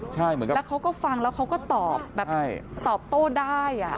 แล้วเขาก็ฟังแล้วเขาก็ตอบตอบโต้ได้